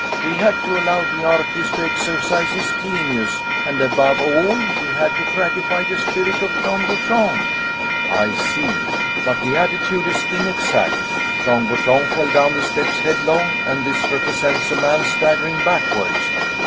We had to allow the artist to exercise his genius, and, above all, we had to gratify the spirit of Jean Bouchon." "I see. But the attitude is inexact. Jean Bouchon fell down the steps headlong, and this represents a man staggering backwards."